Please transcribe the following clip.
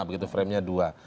begitu framenya dua